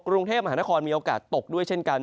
กรุงเทพมหานครมีโอกาสตกด้วยเช่นกัน